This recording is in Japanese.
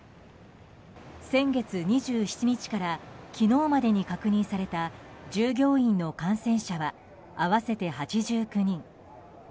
先月２７日から昨日までに確認された従業員の感染者は合わせて８９人。